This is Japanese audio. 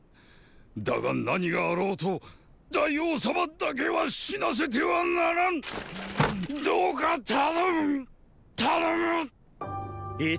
だが何があろうと大王様だけは死なせてはならぬ！どうか頼むっ！頼むっ！！